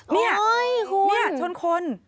นี่นี่ชนคน